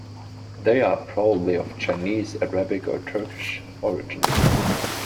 They are probably of Chinese, Arabic, or Turkish origin.